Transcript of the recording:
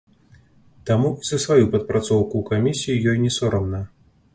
Таму і за сваю падпрацоўку ў камісіі ёй не сорамна.